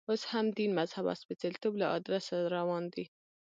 اوس هم دین، مذهب او سپېڅلتوب له ادرسه روان دی.